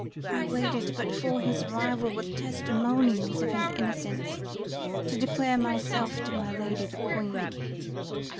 I waited but for his arrival with testimonials of his innocence, to declare myself to my lady, the Queen.